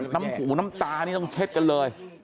น้ำหูน้ำตานี่ต้องเช็ดกันเลย